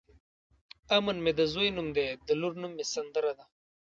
امن مې د ځوی نوم دی د لور نوم مې سندره ده.